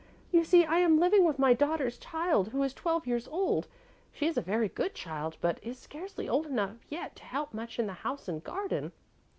You see, I am living with my daughter's child, who is twelve years old. She is a very good child, but is scarcely old enough yet to help much in the house and garden."